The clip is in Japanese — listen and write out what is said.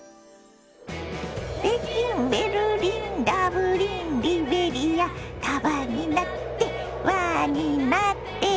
「北京ベルリンダブリンリベリア」「束になって輪になって」